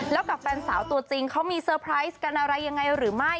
แล้วกับแฟนสาวตัวจริงเขามีเซอร์ไพรส์กันอะไรยังไงหรือไม่